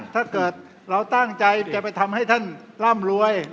ถ้าเกิดเราตั้งใจจะไปทำให้ท่านร่ำรวย